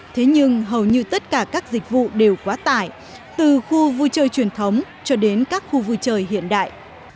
thế nhưng hầu như tất cả các dịch vụ đều quá tải từ khu vui chơi truyền thống cho đến các khu vui chơi hiện đại